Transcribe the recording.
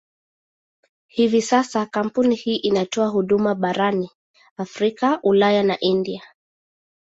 Hivi sasa kampuni hii inatoa huduma barani Afrika, Ulaya na India.